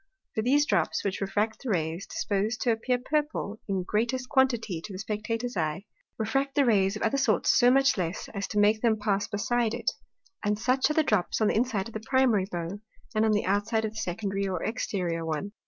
For those drops, which refract the Rays, disposed to appear Purple, in greatest quantity to the Spectator's Eye, refract the Rays of other sorts so much less, as to make them pass beside it; and such are the drops on the inside of the Primary Bow, and on the outside of the Secondary or Exteriour one.